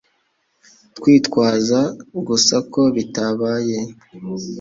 Kwitwaza gusa ko bitabaye